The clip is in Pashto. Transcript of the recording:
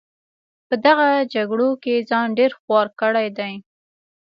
په دغه جګړو کې ځان ډېر خوار کړی دی.